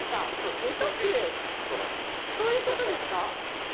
そういうことですか？